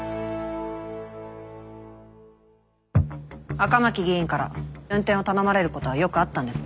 赤巻議員から運転を頼まれることはよくあったんですか？